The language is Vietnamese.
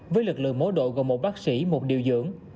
với lực lượng mối độ gồm một bác sĩ một điều dưỡng